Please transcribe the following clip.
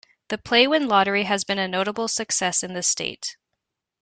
The Playwin lottery has been a notable success in the state.